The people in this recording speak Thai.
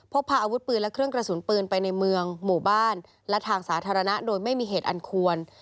พกพาอาวุธปืนและเครื่องกระสุนปืนไปในเมืองหมู่บ้านและทางสาธารณะโดยไม่มีเหตุอันควร